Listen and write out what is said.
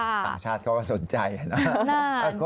สามชาติเขาก็สนใจนะฮะ